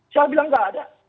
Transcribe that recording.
saya bilang enggak ada